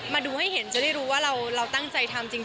มาดูให้เห็นจะได้รู้ว่าเราตั้งใจทำจริง